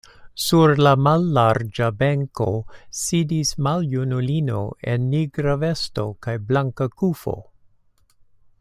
Sur la mallarĝa benko sidis maljunulino en nigra vesto kaj blanka kufo.